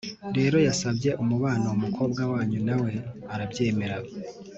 rero yasabye umubano umukobwa wanyu nawe arabyemera